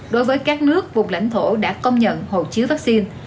đối với các nước vùng lãnh thổ đã công nhận hộ chiếu vaccine